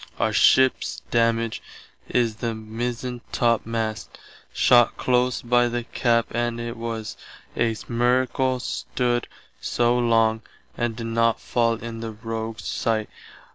Our ships damage is the Mizentopmast shott close by the cap and it was a miracle stood soe long and did not fall in the rogues sight.